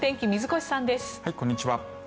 こんにちは。